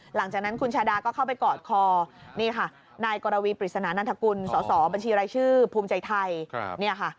หลังจากนั้นคุณชาดาก็เข้าไปกอดคอนี่ค่ะนายกรวีปริศนานัทกุลสบชภูมิใจไทย